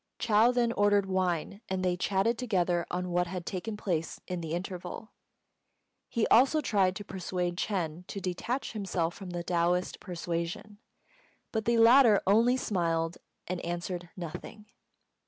Chou then ordered wine, and they chatted together on what had taken place in the interval. He also tried to persuade Ch'êng to detach himself from the Taoist persuasion, but the latter only smiled and answered nothing.